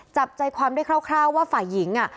จับใจความได้คร่าวว่าฝ่ายหญิง